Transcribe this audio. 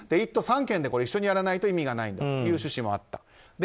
１都３県で一緒にやらないと意味がないんだという趣旨もあった。